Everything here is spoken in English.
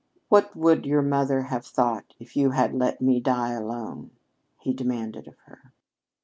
"What would your mother have thought if you had let me die alone?" he demanded of her.